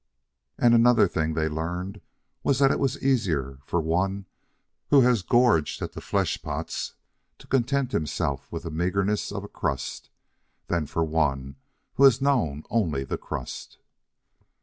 And another thing they learned was that it was easier for one who has gorged at the flesh pots to content himself with the meagerness of a crust, than for one who has known only the crust.